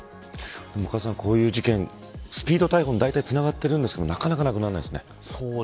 こういう事件、スピード逮捕につながっているんですけどなかなか、なくならないですね。